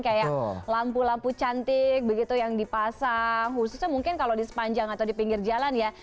kayak lampu lampu cantik begitu yang dipasang khususnya mungkin kalau di sepanjang atau di pinggir jalan ya